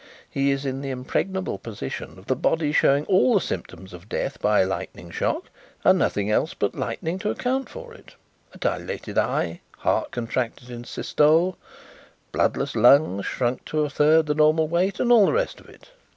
He is in the impregnable position of the body showing all the symptoms of death by lightning shock and nothing else but lightning to account for it a dilated eye, heart contracted in systole, bloodless lungs shrunk to a third the normal weight, and all the rest of it.